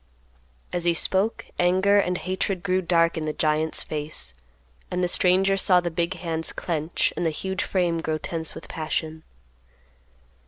As he spoke, anger and hatred grew dark in the giant's face, and the stranger saw the big hands clench and the huge frame grow tense with passion.